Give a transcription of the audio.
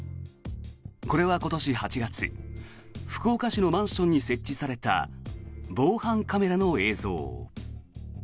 これは今年８月福岡市のマンションに設置された防犯カメラの映像。